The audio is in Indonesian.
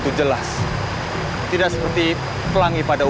mereka sudah berhasil menangkap mereka